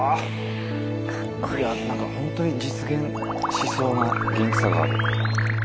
ホントに実現しそうな元気さがある。